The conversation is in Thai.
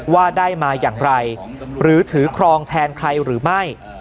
ว่าได้มาอย่างไรหรือถือครองแทนใครหรือไม่